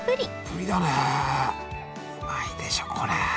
うまいでしょこれ。